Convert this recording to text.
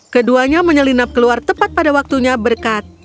keduanya menyelinap keluar tepat pada waktunya berkat